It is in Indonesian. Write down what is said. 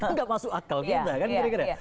nggak masuk akal kita